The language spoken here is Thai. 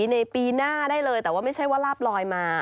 ในปีหน้าได้เลยแต่ว่าไม่ใช่ว่าลาบลอยมา